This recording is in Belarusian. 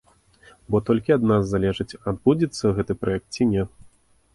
Бо толькі ад нас залежыць, адбудзецца гэты праект ці не.